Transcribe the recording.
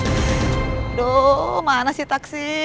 aduh mana sih taksi